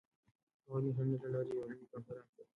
هغوی د انټرنیټ له لارې یو علمي کنفرانس جوړ کړ.